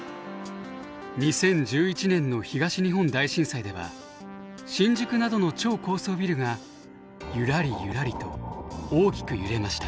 ２０１１年の東日本大震災では新宿などの超高層ビルがユラリユラリと大きく揺れました。